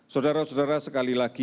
saudara saudara sekali lagi